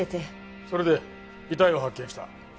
それで遺体を発見した？